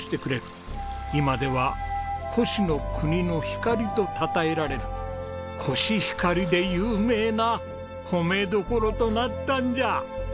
今では「越の国の光」とたたえられるコシヒカリで有名な米どころとなったんじゃ。